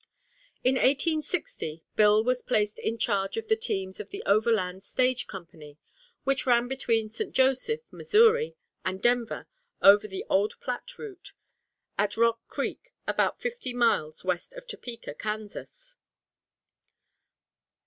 In 1860, Bill was placed in charge of the teams of the Overland Stage Company, which ran between St. Joseph, Missouri, and Denver, over the old Platte route, at Rock Creek, about fifty miles west of Topeka, Kansas.